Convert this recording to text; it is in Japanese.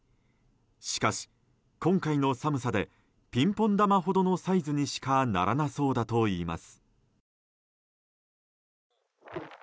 しかし、今回の寒さでピンポン球程のサイズにしかならなそうだといいます。